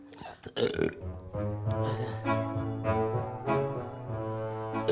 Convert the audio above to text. tidak ada apa apa